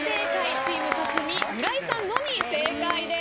チーム克実村井さんのみ正解です。